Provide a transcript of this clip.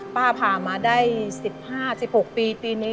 ป้าพามาได้๑๕๑๖ปี